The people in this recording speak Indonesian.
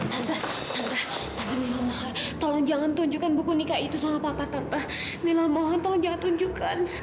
tante tante tante mila mohon tolong jangan tunjukkan buku nikah itu sama papa tante mila mohon tolong jangan tunjukkan